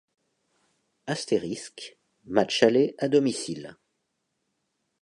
Astérisque = Match aller à domicile.